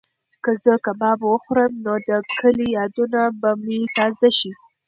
که زه کباب وخورم نو د کلي یادونه به مې تازه شي.